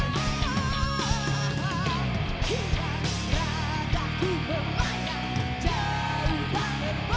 semoga jakarta international stadium